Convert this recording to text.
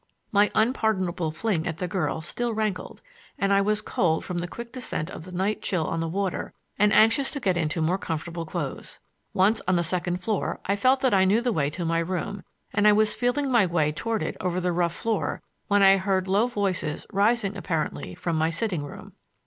My unpardonable fling at the girl still rankled; and I was cold from the quick descent of the night chill on the water and anxious to get into more comfortable clothes. Once on the second floor I felt that I knew the way to my room, and I was feeling my way toward it over the rough floor when I heard low voices rising apparently from my sitting room.